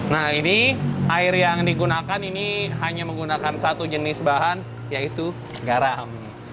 nah ini air yang digunakan ini hanya menggunakan satu jenis bahan yaitu garam